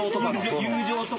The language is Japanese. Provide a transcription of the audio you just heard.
友情とか。